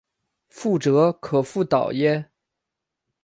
覆辙可复蹈耶？